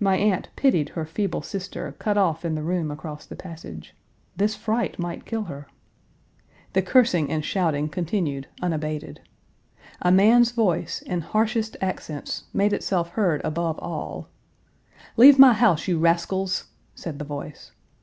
My aunt pitied her feeble sister, cut off in the room across the passage. This fright might kill her! The cursing and shouting continued unabated. A man's voice, in harshest accents, made itself heard above all: "Leave my house, you rascals!" said the voice.